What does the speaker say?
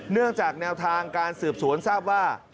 เนื่องจากแนวทางการสืบสวนทราบว่า